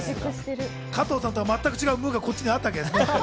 加藤さんとは全く違う無がこっちにあったわけですね。